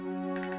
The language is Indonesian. ya ya gak